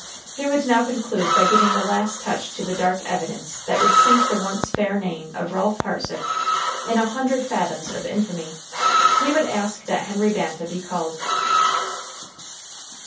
He would now conclude by giving the last touch to the dark evidence that would sink the once fair name of Ralph Hartsook in a hundred fathoms of infamy. He would ask that Henry Banta be called.